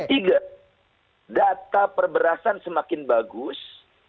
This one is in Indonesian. tiga data perberasan semakin bagus